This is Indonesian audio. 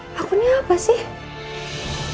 mbak andin ini lah mbak andin itulah